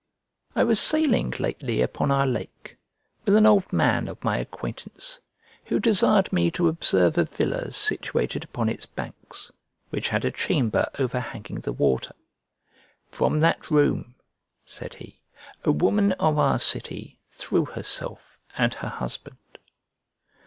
I was sailing lately upon our lake, with an old man of my acquaintance, who desired me to observe a villa situated upon its banks, which had a chamber overhanging the water. "From that room," said he, "a woman of our city threw herself and her husband."